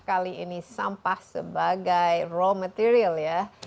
kali ini sampah sebagai raw material ya